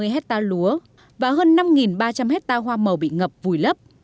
tám trăm bảy mươi hecta lúa và hơn năm ba trăm linh hecta hoa màu bị ngập vùi lấp